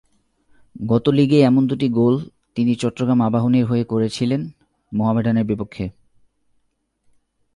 গত লিগেই এমন দুটি গোল তিনি চট্টগ্রাম আবাহনীর হয়ে করেছিলেন মোহামেডানের বিপক্ষে।